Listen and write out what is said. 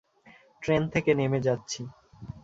Train থেকে নেমে যাচ্ছি।